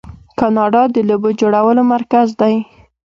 کاناډا د لوبو جوړولو مرکز دی.